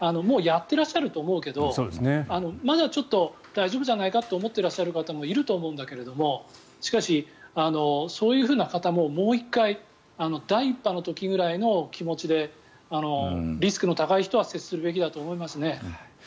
もうやってらっしゃると思うけどまだちょっと大丈夫じゃないかと思っていらっしゃる方もいると思うんだけどしかし、そういう方ももう１回第１波の時ぐらいの気持ちでリスクの高い人は接するべきだと思いますね。